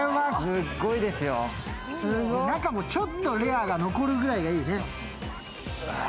中もちょっとレアが残るぐらいがいいね。